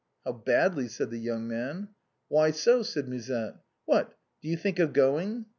" How badly," said the young man. "Why so?" said Musette. " What, do you think of going